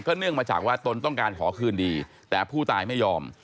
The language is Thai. เนื่องมาจากว่าตนต้องการขอคืนดีแต่ผู้ตายไม่ยอม